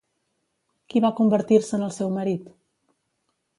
Qui va convertir-se en el seu marit?